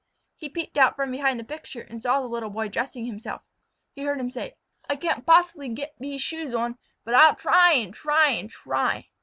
He peeped out from behind the picture and saw the Little Boy dress himself. He heard him say: "I can't poss'bly get vese shoes on, but I'll try and try and try."